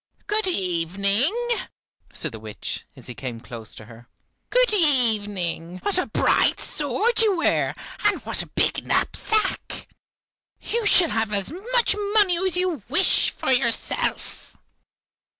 "Good evening," said the witch, as he came close to her. "Good evening; what a bright sword you wear, and what a big knapsack! You shall have as much money as you wish for yourself!"